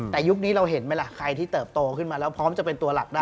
แต่ยุคนี้เราเห็นไหมล่ะใครที่เติบโตขึ้นมาแล้วพร้อมจะเป็นตัวหลักได้